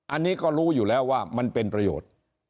อันนี้ก็รู้อยู่แล้วว่ามันเป็นประโยชน์